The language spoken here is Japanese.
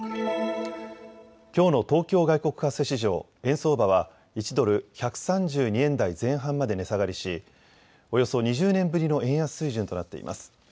きょうの東京外国為替市場円相場は１ドル１３２円台前半まで値下がりしおよそ２０年ぶりの円安水準となっています。